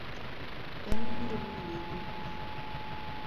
Dhano biro lonyi duk .